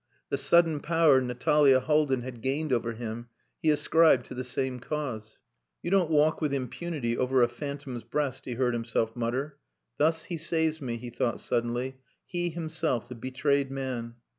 The sudden power Natalia Haldin had gained over him he ascribed to the same cause. "You don't walk with impunity over a phantom's breast," he heard himself mutter. "Thus he saves me," he thought suddenly. "He himself, the betrayed man."